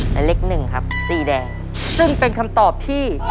นังเล็ก๑ครับสี่แดงซึ่งเป็นคำตอบที่